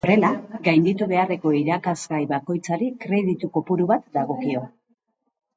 Horrela, gainditu beharreko irakasgai bakoitzari kreditu-kopuru bat dagokio.